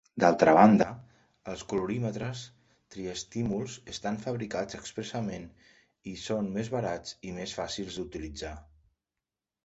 D'altra banda, els colorímetres triestímuls estan fabricats expressament i són més barats i més fàcils d'utilitzar.